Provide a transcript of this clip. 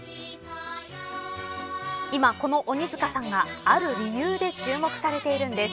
今、この鬼塚さんがある理由で注目されているんです。